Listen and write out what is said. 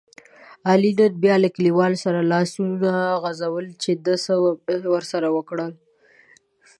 علي نن بیا له کلیوالو سره لاسونه غورځول چې ده څه ورسره وکړل.